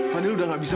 fadil udah nggak bisa